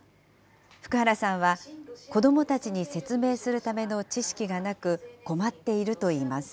福原さんは子どもたちに説明するための知識がなく、困っているといいます。